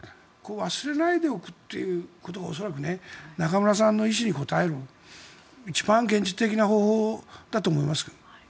忘れないでおくということが恐らく中村さんの遺志に応える一番現実的な方法だと思いますけど。